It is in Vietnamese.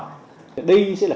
đây sẽ là điểm rừng quan trọng